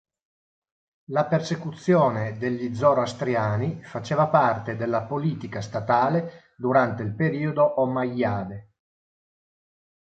La persecuzione degli zoroastriani faceva parte della politica statale durante il periodo omayyade.